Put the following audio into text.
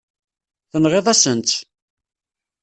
Tenɣiḍ-asen-tt.